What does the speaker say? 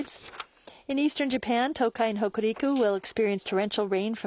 そうですね。